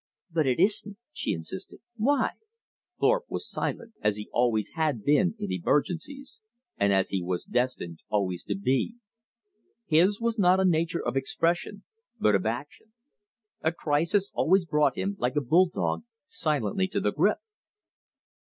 "But it isn't," she insisted. "Why?" Thorpe was silent as he always had been in emergencies, and as he was destined always to be. His was not a nature of expression, but of action. A crisis always brought him, like a bull dog, silently to the grip.